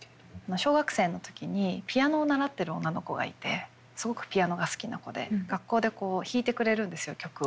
小学生の時にピアノを習っている女の子がいてすごくピアノが好きな子で学校で弾いてくれるんですよ曲を。